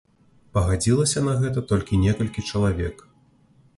Пагадзілася на гэта толькі некалькі чалавек.